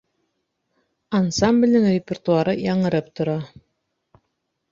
Ансамблдең репертуары яңырып тора.